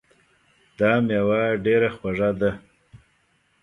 دا میوه ډېره خوږه ده